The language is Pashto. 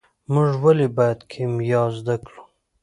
موږ ولې باید کیمیا زده کړو.